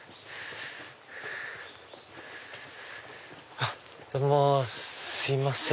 あっどうもすいません。